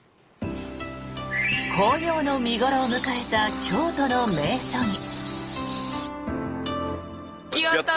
紅葉の見頃を迎えた京都の名所に。